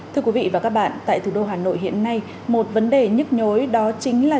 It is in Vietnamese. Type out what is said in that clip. thưa quý vị và các bạn tại thủ đô hà nội hiện nay một vấn đề nhức nhối đó chính là